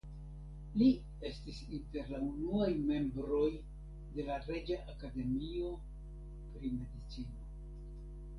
Li estis inter la unuaj membroj de la reĝa akademio pri medicino.